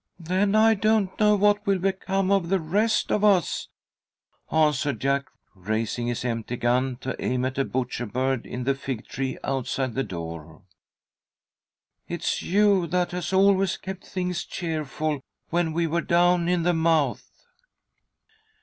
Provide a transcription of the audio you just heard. "Then I don't know what will become of the rest of us," answered Jack, raising his empty gun to aim at a butcher bird in the fig tree outside the door. "It's you that has always kept things cheerful when we were down in the mouth."